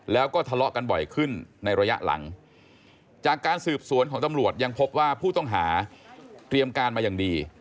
แล้วก็ทะเลาะกันบ่อยขึ้นในระยะหลังจากการสืบสวนของตำรวจยังพบว่าผู้ต้องหาเตรียมการมาอย่างดี